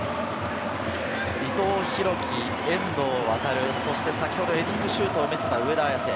伊藤洋輝、遠藤航、そして先ほどヘディングシュート見せた上田綺世。